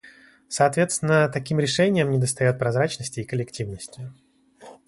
Соответственно, таким решениям недостает прозрачности и коллективности.